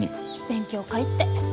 勉強会って。